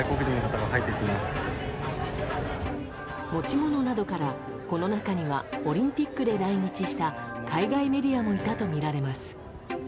持ち物などから、この中にはオリンピックで来日した海外メディアもいたとみられます。